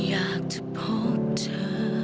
อยากจะพบเธอ